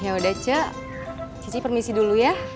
yaudah ce cici permisi dulu ya